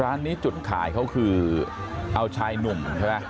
ร้านนี้จุดขายเขาคือเอาชายหนุ่มใช่ไหม